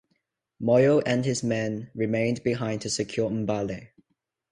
Moyo and his men remained behind to secure Mbale.